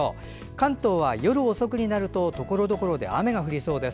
関東は夜遅くになるとところどころで雨が降りそうです。